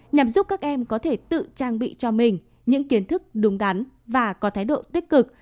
nhằm giúp các em có thể tự trang bị cho mình những kiến thức đúng đắn và có thái độ tích cực